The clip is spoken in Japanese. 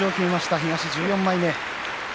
東１４枚目。